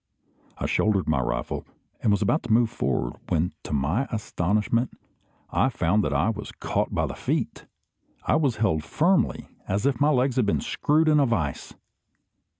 I shouldered my rifle, and was about to move forward, when to my astonishment, I found that I was caught by the feet. I was held firmly, as if my legs had been screwed in a vice!